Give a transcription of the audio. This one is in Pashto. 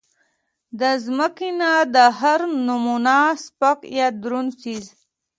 د زمکې نه د هر نمونه سپک يا درون څيز